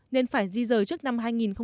nên phải di dời trước năm hai nghìn một mươi bảy